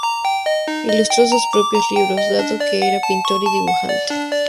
Ilustró sus propios libros, dado que era pintor y dibujante.